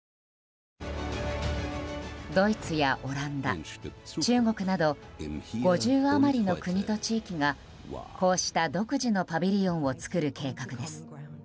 ドイツやオランダ、中国など５０余りの国と地域がこうした独自のパビリオンを作る計画です。